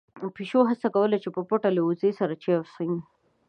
پيشو هڅه کوله چې په پټه له وزې سره چای وڅښي.